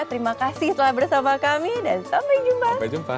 terima kasih telah bersama kami dan sampai jumpa